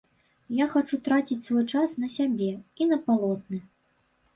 Я хачу траціць свой час на сябе і на палотны.